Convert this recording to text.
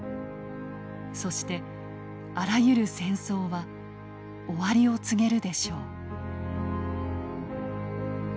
そしてあらゆる戦争は終わりを告げるでしょう」。